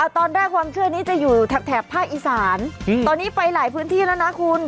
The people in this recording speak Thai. ตอนแรกความเชื่อนี้จะอยู่แถบภาคอีสานตอนนี้ไปหลายพื้นที่แล้วนะคุณ